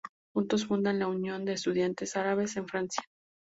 Juntos fundan la Unión de Estudiantes Árabes en Francia.